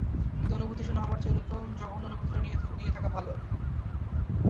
কিন্তু অনুভূতি-শুন্য হবার চেয়ে এরকম জঘন্য অনুভূতিটা নিয়েই থাকা ভালো।